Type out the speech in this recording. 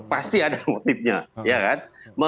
pasti ada motifnya ya kan